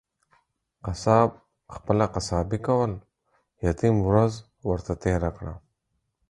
قصاب خپله قصابي کول ، يتيم ورځ ورته تيره کړه.